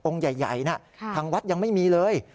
ใหญ่นะทางวัดยังไม่มีเลย